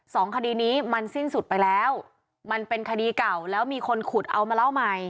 สองคดีนี้มันสิ้นสุดไปแล้วมันเป็นคดีเก่าแล้วมีคนขุดเอามาเล่าใหม่